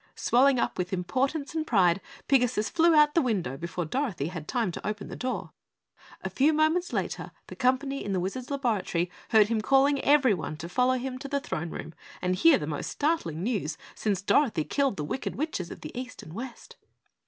Swelling up with importance and pride, Pigasus flew out the window before Dorothy had time to open the door. A few moments later, the company in the Wizard's laboratory heard him calling everyone to follow him to the Throne Room and hear the most startling news since Dorothy killed the wicked Witches of the East and West.